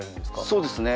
そうですね。